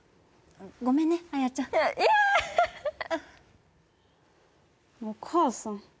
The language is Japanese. ごめんね彩ちゃんいやーっお母さん